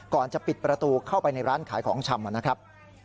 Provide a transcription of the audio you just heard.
ก่อนจะปิดประตูเข้าไปในร้านขายของชำนะครับ